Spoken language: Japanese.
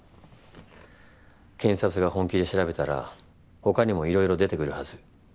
検察が本気で調べたら他にもいろいろ出てくるはず。